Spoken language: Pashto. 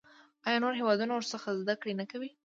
آیا نور هیوادونه ورڅخه زده کړه نه کوي؟